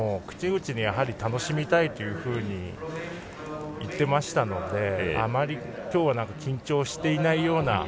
口々に楽しみたいというふうに言ってましたのであまり今日は緊張していないような。